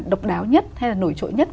độc đáo nhất hay là nổi trội nhất